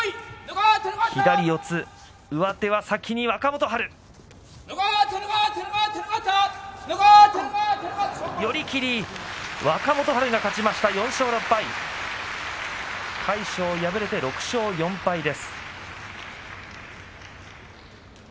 魁勝、敗れて６勝４敗です。